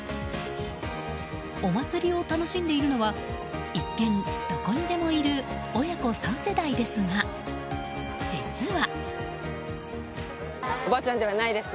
お祭りを楽しんでいるのは一見どこにでもいる親子３世代ですが、実は。